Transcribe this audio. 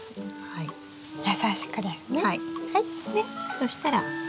そしたら。